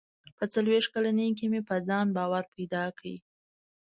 • په څلوېښت کلنۍ کې مې په ځان باور پیدا کړ.